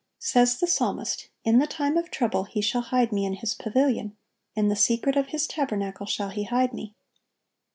Says the psalmist, "In the time of trouble He shall hide me in His pavilion: in the secret of His tabernacle shall He hide me."